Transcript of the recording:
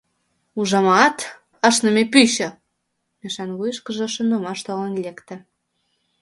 «Ужамат, ашныме пӱчӧ!» — Мишан вуйышкыжо шонымаш толын лекте.